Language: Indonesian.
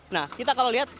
nah kita kalau lihat